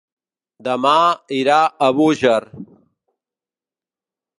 Demà irà a Búger.